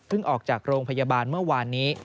ออกจากโรงพยาบาลเมื่อวานนี้